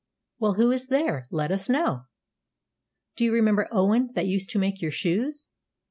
"Well, who is there? Let us know." "Do you remember Owen, that used to make your shoes?"